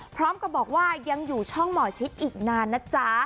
พร้อมกับบอกว่ายังอยู่ช่องหมอชิดอีกนานนะจ๊ะ